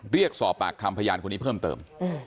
เรียกสอบปากคำพยานคนนี้เพิ่มเติม